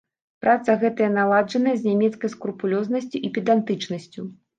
Праца гэтая наладжаная з нямецкай скрупулёзнасцю і педантычнасцю.